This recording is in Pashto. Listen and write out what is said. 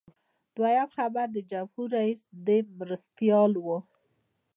دویم خبر د جمهور رئیس د مرستیال و.